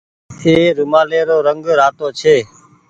اي رومآلي رو رنگ رآتو ڇي۔